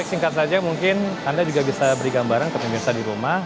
dikat saja mungkin anda juga bisa berikan barang ke pemirsa di rumah